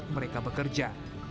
di tempat mereka bekerja